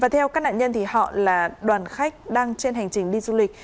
theo các nạn nhân họ là đoàn khách đang trên hành trình đi du lịch